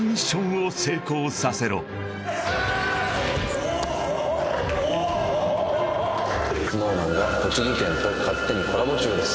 そんな中ＳｎｏｗＭａｎが栃木県と勝手にコラボ中です